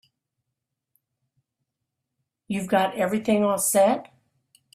You've got everything all set?